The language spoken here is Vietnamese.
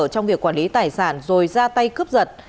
trong việc quản lý tài sản rồi ra tay cướp giật